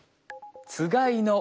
つがいの。